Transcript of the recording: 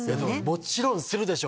もちろんするでしょう。